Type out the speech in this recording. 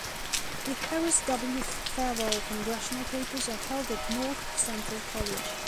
The Harris W. Fawell Congressional Papers are held at North Central College.